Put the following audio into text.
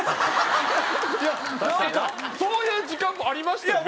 そういう時間もありましたよ